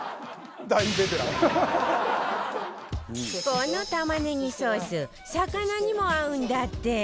この玉ねぎソース魚にも合うんだって